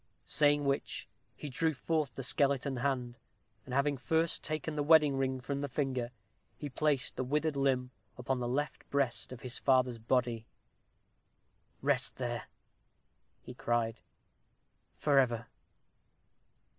Saying which, he drew forth the skeleton hand; and having first taken the wedding ring from the finger, he placed the withered limb upon the left breast of his father's body. "Rest there," he cried, "for ever."